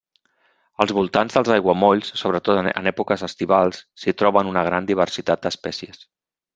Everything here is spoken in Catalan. Als voltants dels aiguamolls, sobretot en èpoques estivals, s'hi troben una gran diversitat d'espècies.